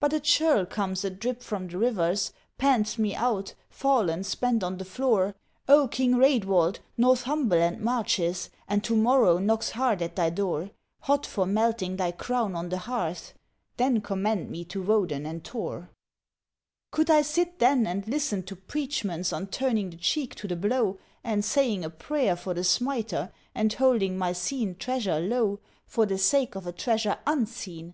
"But a churl comes adrip from the rivers, pants me out, fallen spent on the floor, 'O King Raedwald, Northumberland marches, and to morrow knocks hard at thy door, Hot for melting thy crown on the hearth!' Then commend me to Woden and Thor! "Could I sit then and listen to preachments on turning the cheek to the blow, And saying a prayer for the smiter, and holding my seen treasure low For the sake of a treasure unseen?